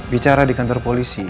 bicara di kantor polisi